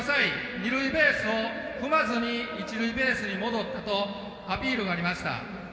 二塁ベースを踏まずに一塁ベースに戻ったとアピールがありました。